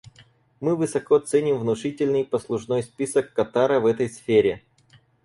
Мы высоко ценим внушительный послужной список Катара в этой сфере.